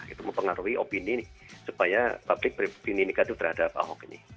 itu mempengaruhi opini supaya publik beropini negatif terhadap ahok ini